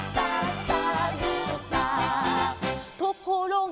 「ところが」